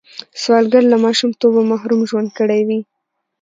سوالګر له ماشومتوبه محروم ژوند کړی وي